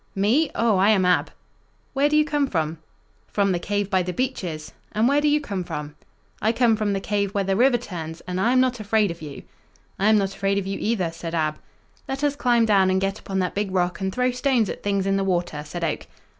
"Me? Oh, I am Ab." "Where do you come from?" "From the cave by the beeches; and where do you come from?" "I come from the cave where the river turns, and I am not afraid of you." "I am not afraid of you, either," said Ab. "Let us climb down and get upon that big rock and throw stones at things in the water," said Oak.